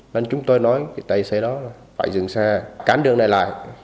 nên chúng tôi nói với tài xế đó là phải dừng xe cán đường này lại